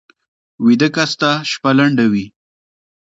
ویده کس ته شپه لنډه وي